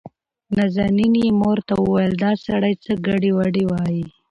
نازنين يې مور ته وويل دا سړى څه ګډې وډې وايي.